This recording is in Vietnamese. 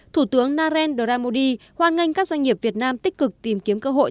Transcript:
thủ tướng narendra modi hoan nghênh các doanh nghiệp việt nam tích cực tìm kiếm cơ hội